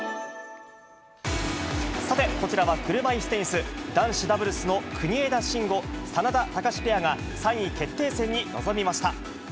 さて、こちらは車いすテニス、男子ダブルスの国枝慎吾・眞田卓ペアが３位決定戦に臨みました。